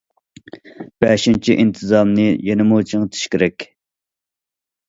بەشىنچى، ئىنتىزامنى يەنىمۇ چىڭىتىش كېرەك.